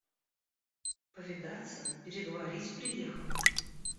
Повидаться, переговорить приехал.